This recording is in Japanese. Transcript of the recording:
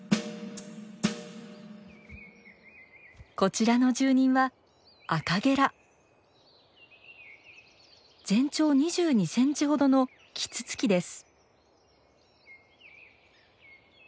こちらの住人は全長２２センチほどのキツツキです。